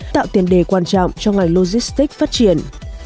tạo tiền đề quan trọng cho ngành logistics phát triển